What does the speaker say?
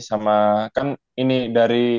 sama kan ini dari